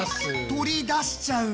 取り出しちゃうんだ。